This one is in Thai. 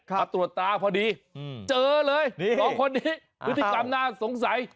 มาตรวจตาพอดีเจอเลยสองคนนี้พฤติกรรมน่าสงสัย